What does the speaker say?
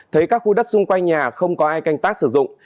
thấy các khu đất xung quanh nhà không có ai canh tác sử dụng